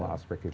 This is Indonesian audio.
tiga aspek itu